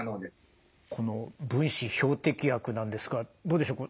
この分子標的薬なんですがどうでしょう？